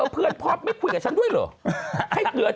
เพื่อนพอร์ตไม่คุยกับฉันด้วยเหรอ